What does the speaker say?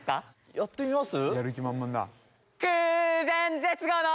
やってみます？